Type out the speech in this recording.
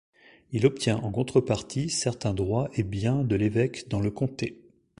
Il obtient en contrepartie certains droits et biens de l'évêque dans le comté.